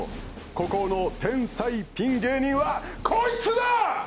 孤高のピン芸人は、こいつだ！